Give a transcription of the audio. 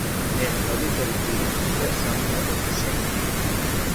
Њени родитељи били су све само не одушевљени.